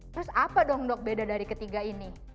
terus apa dong dok beda dari ketiga ini